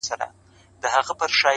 • شور وو ګډ په وړو لویو حیوانانو ,